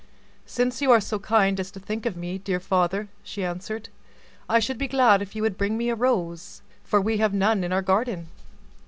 "Since you are so kind as to think of me, dear father," she answered, "I should be glad if you would bring me a rose, for we have none in our garden."